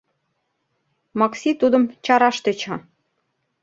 Макси тудым чараш тӧча.